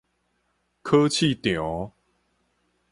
考試場